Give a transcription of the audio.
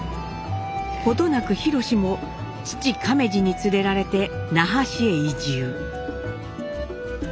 程なく廣も父亀次に連れられて那覇市へ移住。